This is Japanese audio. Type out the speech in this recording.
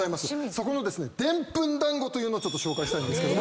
そこのでんぷん団子というのを紹介したいんですけども。